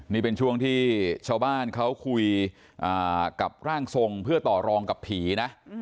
นี่เป็นช่วงที่ชาวบ้านเขาคุยกับร่างทรงเพื่อต่อรองกับผีนะ